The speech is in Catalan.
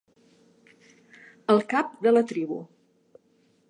El cap de la tribu.